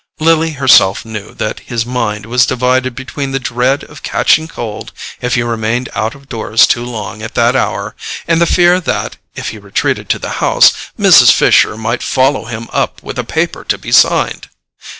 Lily herself knew that his mind was divided between the dread of catching cold if he remained out of doors too long at that hour, and the fear that, if he retreated to the house, Mrs. Fisher might follow him up with a paper to be signed.